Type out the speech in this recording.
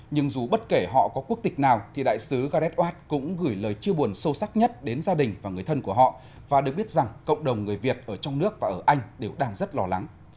nhưng dù bất kể họ có quốc tịch nào thì đại sứ gareth watt cũng gửi lời chia buồn sâu sắc nhất đến gia đình và người thân của họ và được biết rằng cộng đồng người việt ở trong nước và ở anh đều đang rất lo lắng